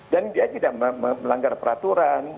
dan dia tidak melanggar peraturan